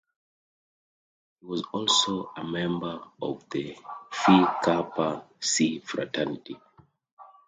He was also a member of the Phi Kappa Psi Fraternity.